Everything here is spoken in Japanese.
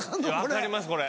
分かりますこれ。